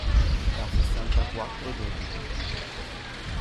Da sessantaquattro giorni.